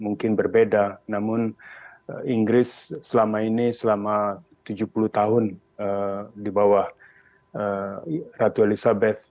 mungkin berbeda namun inggris selama ini selama tujuh puluh tahun di bawah ratu elizabeth